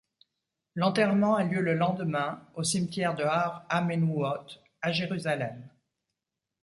L'enterrement a lieu le lendemain, au cimetière de Har HaMenouhot à Jérusalem.